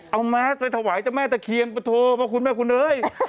เอาแมสไปถวายเจ้าแม่ตะเคียนปะโทพระคุณแม่คุณเอ้ย